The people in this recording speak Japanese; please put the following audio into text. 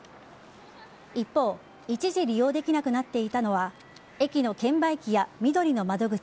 一方一時利用できなくなっていたのは駅の券売機やみどりの窓口